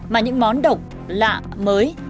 mà những món độc lạ mới